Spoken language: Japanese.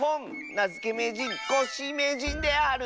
なづけめいじんコッシーめいじんである。